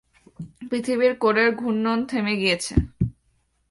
পৃথিবীর কোরের ঘূর্ণন থেমে গিয়েছে।